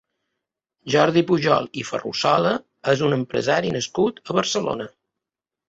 Jordi Pujol i Ferrusola és un empresari nascut a Barcelona.